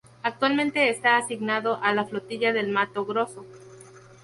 Actualmente está asignado a la Flotilla del Mato Grosso.